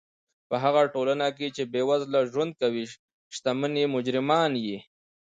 په هغه ټولنه کښي، چي بېوزله ژوند کوي، ښتمن ئې مجرمان يي.